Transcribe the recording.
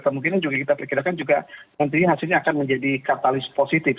kemungkinan juga kita perkirakan juga nantinya hasilnya akan menjadi katalis positif